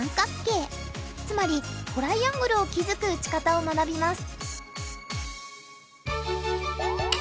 つまりトライアングルを築く打ち方を学びます。